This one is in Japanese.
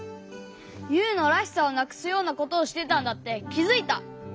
ユウの「らしさ」をなくすようなことをしてたんだってきづいた！